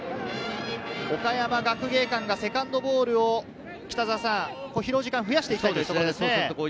岡山学芸館がセカンドボールを拾う時間を増やしていきたいというところですね。